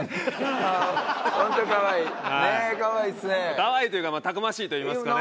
可愛いというかたくましいといいますかね。